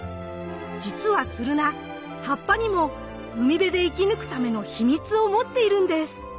じつはツルナ葉っぱにも海辺で生き抜くための秘密を持っているんです。